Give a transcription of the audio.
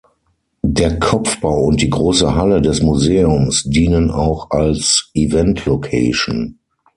Der Kopfbau und die große Halle des Museums dienen auch als „Eventlocation“.